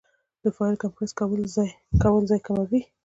د فایل کمپریس کول ځای کموي.